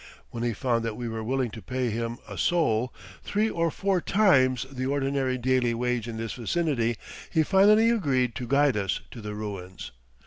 When he found that we were willing to pay him a sol, three or four times the ordinary daily wage in this vicinity, he finally agreed to guide us to the ruins.